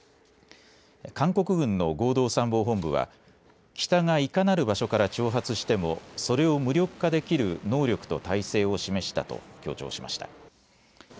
韓国軍の合同参謀本部は北がいかなる場所から挑発してもそれを無力化できる能力と態勢を示したと強調しました。